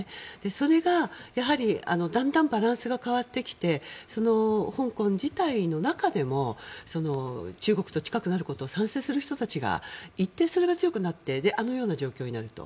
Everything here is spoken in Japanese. それがやはりだんだんバランスが変わってきて香港自体の中でも中国と近くなることに賛成する人たちが一定それが強くなってあのような状況になると。